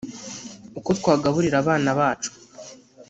uko twagaburira abana bacu